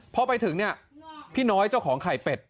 พอไปถึงเนี่ยพี่น้อยเจ้าของไข่เป็ด